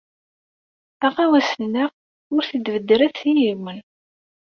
Aɣawas-nneɣ ur t-id-beddret i yiwen.